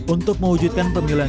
untuk mewujudkan pemilihan